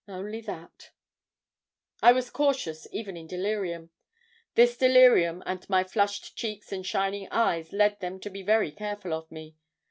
only that. "I was cautious even in delirium. This delirium and my flushed cheeks and shining eyes led them to be very careful of me.